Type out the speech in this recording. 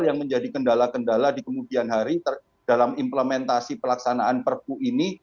yang menjadi kendala kendala di kemudian hari dalam implementasi pelaksanaan perpu ini